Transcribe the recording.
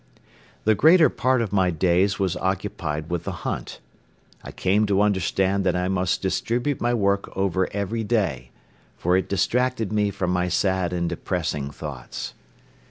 The greater part of my days was occupied with the hunt. I came to understand that I must distribute my work over every day, for it distracted me from my sad and depressing thoughts.